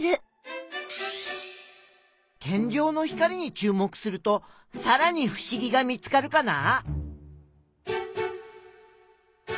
天井の光にちゅう目するとさらにふしぎが見つかるかな？